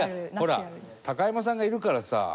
ほら、高山さんがいるからさ。